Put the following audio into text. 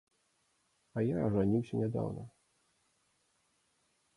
А я ажаніўся нядаўна.